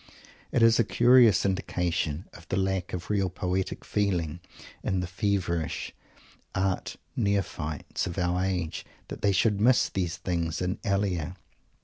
It is a curious indication of the lack of real poetic feeling in the feverish art neophytes of our age that they should miss these things in Elia.